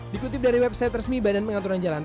dikutip dari website resmi badan pengaturan jalan